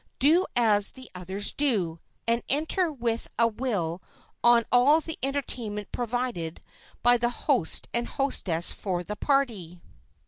Do as the others do, and enter with a will on all the entertainment provided by the host and hostess for the party.